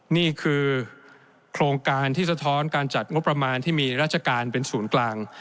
นี่คือโครงการที่สะท้อนการจัดงบประมาณที่มีราชการเป็นศูนย์กลาง